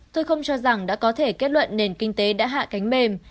tôi không cho rằng đã có thể kết luận nền kinh tế đã hạ cánh mềm